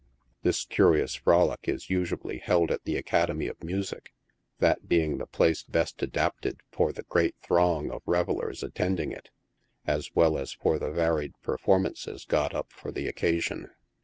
This curious frolic is usually held at the Academy of Music, that being the place best adapted for the great throng of revellers at tending it, as well as for the varied performances got up for the oc casion.